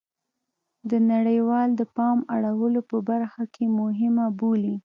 د نړیواله د پام اړولو په برخه کې مهمه بولي